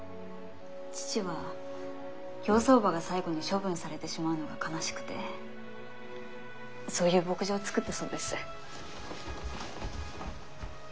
父は競走馬が最後に処分されてしまうのが悲しくてそういう牧場を作ったそうです。